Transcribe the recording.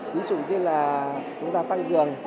ví dụ như là chúng ta tăng trường